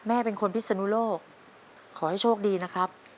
แม่เป็นคนพิศนุโลกขอให้โชคดีนะครับ